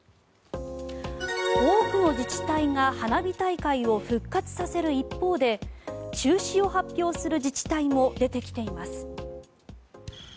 多くの自治体が花火大会を復活させる一方で中止を発表する自治体も出てきています。